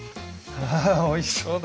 あおいしそうだ。